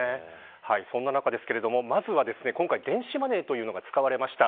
そんな中、まずは今回電子マネーというのが使われました。